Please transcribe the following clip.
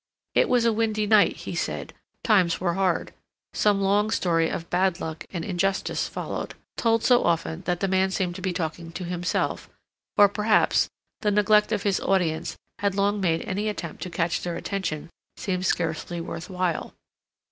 It was a windy night, he said; times were hard; some long story of bad luck and injustice followed, told so often that the man seemed to be talking to himself, or, perhaps, the neglect of his audience had long made any attempt to catch their attention seem scarcely worth while.